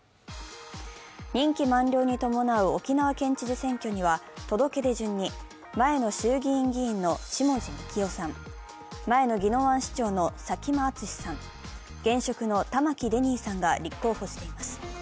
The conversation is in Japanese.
任期満了に伴う沖縄県知事選挙には届け出順に、前の衆議院議員の下地幹郎さん、前の宜野湾市長の佐喜眞淳さん、現職の玉城デニーさんが立候補しています。